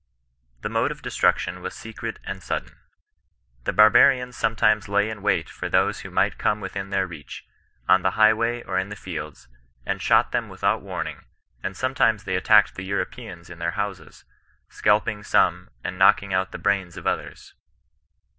The mode of destruction was secret and sudden. The barbarians sometimes lay in wait for those who might come within their reach, on the highway or in the fields, and shot them without warning, and some times they attacked the Europeans in their houses, '^ scalping some, and knocking out the brains of others."